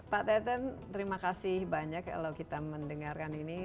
pak teten terima kasih banyak kalau kita mendengarkan ini